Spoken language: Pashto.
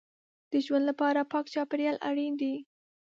د ژوند لپاره پاک چاپېریال اړین دی.